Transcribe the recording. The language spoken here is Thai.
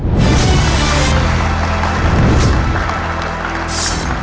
บ๊วยกับสี่ค่ะ